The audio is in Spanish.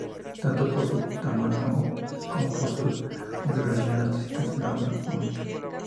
Tanto por su tamaño como por su configuración artística es una obra única.